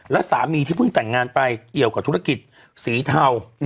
และสามีที่เพิ่งแต่งงานไปเกี่ยวกับธุรกิจสีเทา